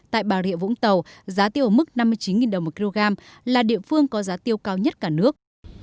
tại bà rịa vũng tàu giá tiêu ở mức năm mươi chín đồng một kg là địa phương có giá tiêu cao nhất cả nước